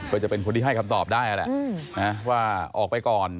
ก็จะเป็นคนที่ให้คำตอบได้แหละว่าออกไปก่อน